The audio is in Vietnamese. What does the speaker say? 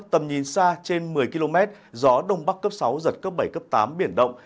tầm nhìn xa trên một mươi km gió đông bắc cấp sáu giật cấp bảy cấp tám biển động